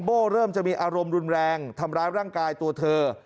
โบ้เริ่มจะมีอารมณ์รุนแรงทำร้ายร่างกายตัวเธอ